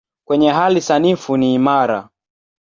Kwenye hali sanifu ni imara.